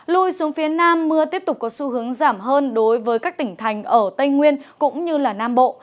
lui xuống phía nam mưa tiếp tục có xu hướng giảm hơn đối với các tỉnh thành ở tây nguyên cũng như nam bộ